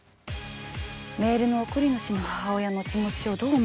メールの送り主の母親の気持ちをどう思うか？